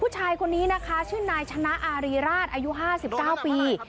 ชื่อนายชนะอารีราชอายุห้าสิบเก้าปี